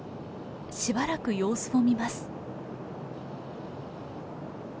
しばらく様子を見ます。